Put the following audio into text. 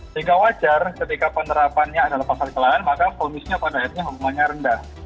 sehingga wajar ketika penerapannya adalah pasal kesalahan maka fonisnya pada akhirnya hukumannya rendah